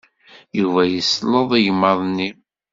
Yuba yesleḍ igmaḍ-nni.